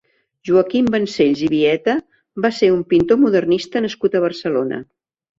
Joaquim Vancells i Vieta va ser un pintor modernista nascut a Barcelona.